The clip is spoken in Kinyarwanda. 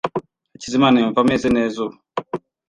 Hakizimana yumva ameze neza ubu.